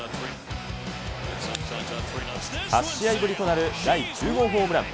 ８試合ぶりとなる第９号ホームラン。